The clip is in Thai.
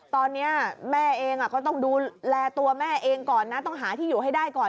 ตอนนี้แม่เองก็ต้องดูแลตัวแม่เองก่อนนะต้องหาที่อยู่ให้ได้ก่อน